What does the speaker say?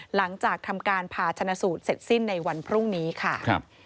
หลังจากทำการผ่าชนะสูตรเสร็จสิ้นในวันพรุ่งนี้ค่ะ